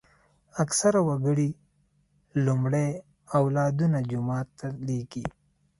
اکثره وګړي لومړی اولادونه جومات ته لېږي.